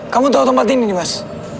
kamu tahu tempat ini dimas